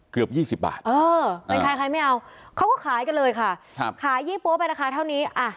เกือบ๒๐บาทไปใครไม่เอาเขาก็ขายกันเลยค่ะขายยี่ปั๊วไปนะคะเท่านี้